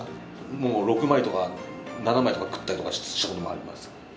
もう６枚とか７枚とか食ったりとかしたこともあります。